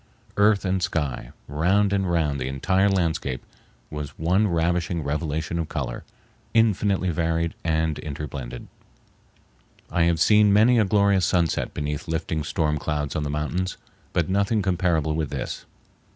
Earth and sky, round and round the entire landscape, was one ravishing revelation of color, infinitely varied and interblended. I have seen many a glorious sunset beneath lifting storm clouds on the mountains, but nothing comparable with this.